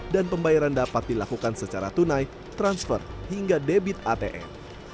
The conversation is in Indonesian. dan pembayaran dapat dilakukan secara tunai transfer hingga debit atm